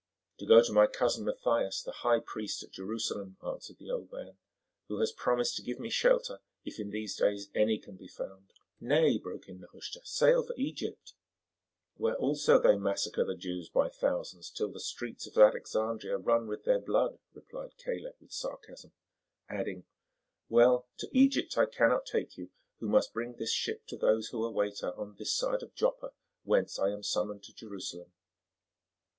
"To go to my cousin Mathias, the high priest at Jerusalem," answered the old man, "who has promised to give me shelter if in these days any can be found." "Nay," broke in Nehushta, "sail for Egypt." "Where also they massacre the Jews by thousands till the streets of Alexandria run with their blood," replied Caleb with sarcasm; adding, "Well, to Egypt I cannot take you who must bring this ship to those who await her on this side of Joppa, whence I am summoned to Jerusalem."